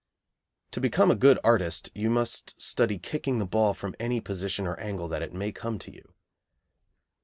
To become a good artist you must study kicking the ball from any position or angle that it may come to you.